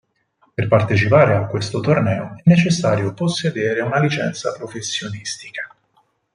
Per partecipare a questo torneo è necessario possedere una licenza professionistica.